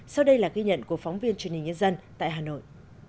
sau đây là ghi nhận của phóng viên truyền hình nhân dân tại hà nội